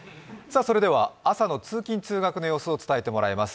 朝の通勤・通学の様子を伝えてもらいます。